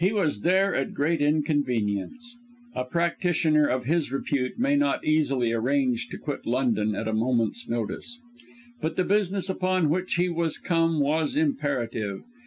He was there at great inconvenience; a practitioner of his repute may not easily arrange to quit London at a moment's notice. But the business upon which he was come was imperative.